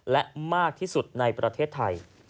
และมากที่สุดในประเทศไทย